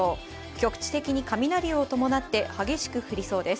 局地的に雷を伴って激しく降りそうです。